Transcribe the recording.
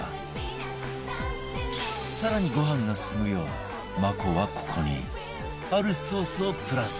更にご飯が進むよう ｍａｋｏ はここにあるソースをプラス